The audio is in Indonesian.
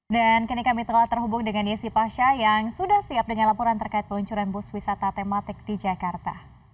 dan kini kami telah terhubung dengan yesi pasha yang sudah siap dengan laporan terkait peluncuran bus wisata tematik di jakarta